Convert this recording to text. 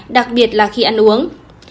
đặc biệt là khi ăn uống